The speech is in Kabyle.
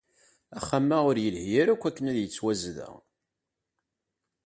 Axxam-a ur yelhi ara akk akken ad yettwazdeɣ.